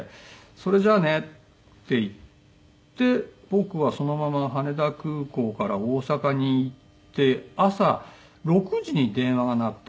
「それじゃあね」って言って僕はそのまま羽田空港から大阪に行って朝６時に電話が鳴ったんで。